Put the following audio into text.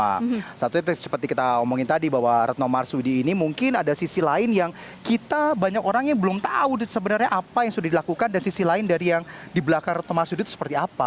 nah satunya seperti kita omongin tadi bahwa retno marsudi ini mungkin ada sisi lain yang kita banyak orang yang belum tahu sebenarnya apa yang sudah dilakukan dan sisi lain dari yang di belakang retno marsudi itu seperti apa